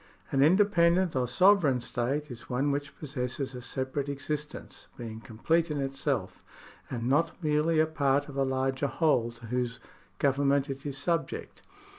An independent or sovereign state is one which possesses a separate existence, being complete in itself, and not merely a part of a larger whole to whose government it is subject.